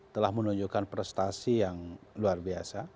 telah menunjukkan prestasi yang luar biasa